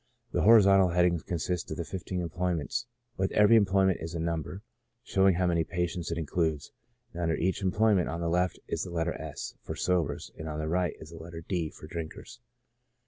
The horizontal headings consist of the fifteen em ployments ; with every employment is a number, showing ihow many patients it includes, and under each employment 'on the left is the letter S. for sobers, and on the right is the letter D. for drinkers.